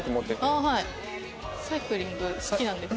サイクリング好きなんですか？